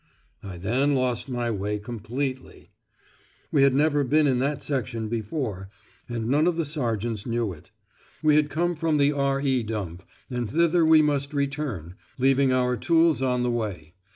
I then lost my way completely. We had never been in that section before, and none of the sergeants knew it. We had come from the "R.E. Dump," and thither we must return, leaving our tools on the way.